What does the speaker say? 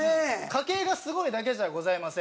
家系がすごいだけじゃございません。